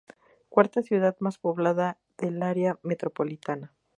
Cuarta ciudad más poblada del área metropolitana.